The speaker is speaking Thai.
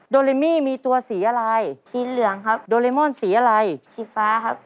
เลมี่มีตัวสีอะไรชีนเหลืองครับโดเรมอนสีอะไรชีฟ้าครับ